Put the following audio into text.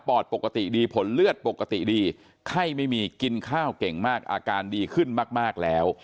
ปกติดีผลเลือดปกติดีไข้ไม่มีกินข้าวเก่งมากอาการดีขึ้นมากแล้ว